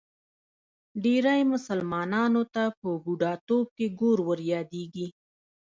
ډېری مسلمانانو ته په بوډاتوب کې ګور وریادېږي.